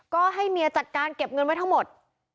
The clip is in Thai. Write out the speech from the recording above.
ก็ให้เมียจัดการเก็บเงินไว้ทั้งหมด